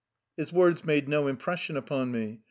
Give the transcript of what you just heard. His words made no impression upon me.